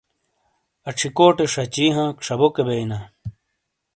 اَچھِی کوٹے شَچی ہانک شَبوکے بئینا۔